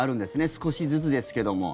少しずつですけども。